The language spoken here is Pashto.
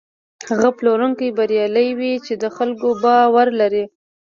هغه پلورونکی بریالی وي چې د خلکو باور لري.